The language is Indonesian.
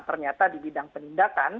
ternyata di bidang penindakan